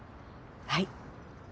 はい。